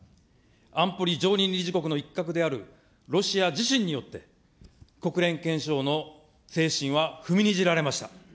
安保理常任理事国の一角であるロシア自身によって、国連憲章の精神は踏みにじられました。